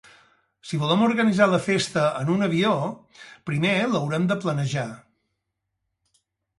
Si volem organitzar la festa en un avió, primer l'haurem de planejar.